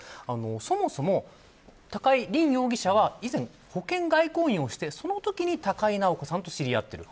そもそも高井凜容疑者は保険外交員をしていてそのときに高井直子さんと知り合っている。